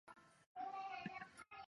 制作名单来自唱片内页说明文字。